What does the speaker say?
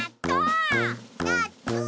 なっとう！